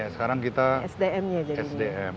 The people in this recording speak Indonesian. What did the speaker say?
sekarang kita sdm kita punya boom desk ada empat puluh ribu